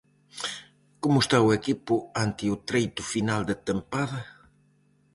Como está o equipo ante o treito final de tempada?